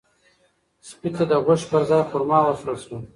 سپي ته د غوښې پر ځای خورما ورکړل شوه.